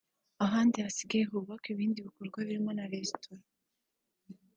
ahandi hasigaye hubakwe ibindi bikorwa birimo na resitora